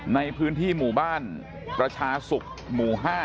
ในพื้นที่หมู่บ้านประชาศุกร์หมู่๕